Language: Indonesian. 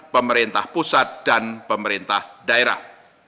pemerintah pusat dan pemerintah daerah